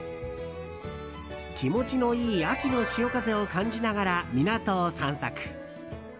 気持ちのいい秋の潮風を感じながら港を散策。